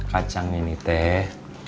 kacang ini teh